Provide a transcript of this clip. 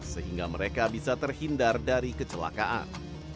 sehingga mereka bisa terhindar dari kecelakaan